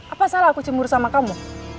apa salah aku jemur sama kamu